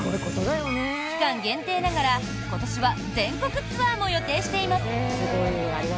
期間限定ながら、今年は全国ツアーも予定しています。